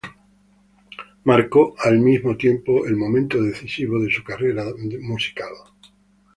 Marcó al mismo tiempo el momento decisivo de su carrera de música.